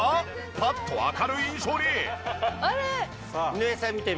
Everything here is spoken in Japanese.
パッと明るい印象に！